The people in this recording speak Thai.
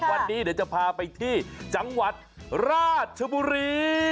วันนี้เดี๋ยวจะพาไปที่จังหวัดราชบุรี